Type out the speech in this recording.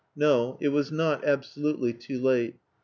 No; it was not absolutely too late.